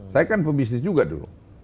saya kan pebisnis juga dulu